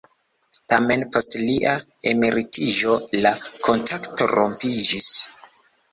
Tamen post lia emeritiĝo la kontakto rompiĝis.